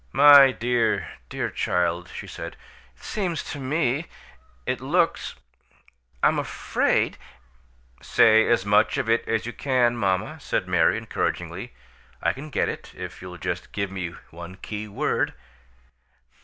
"My dear, dear child," she said, "it seems to me It looks I'm afraid " "Say as much of it as you can, mamma," said Mary, encouragingly. "I can get it, if you'll just give me one key word."